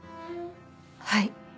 はい。